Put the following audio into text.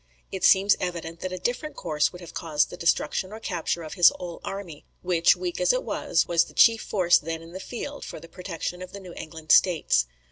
It seems evident that a different course would have caused the destruction or capture of his whole army; which, weak as it was, was the chief force then in the field for the protection of the New England states.